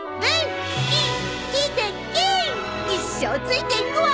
一生ついていくわ！